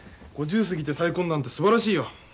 ５０過ぎて再婚なんてすばらしいよ。